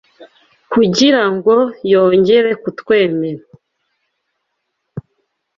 kugira ngo yongere kutwemera.